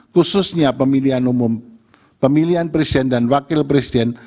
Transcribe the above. khususnya pemilihan umum pemilihan presiden dan wakil presiden